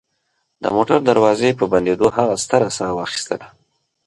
د موټر دروازې په بندېدو هغه ستره ساه واخیستله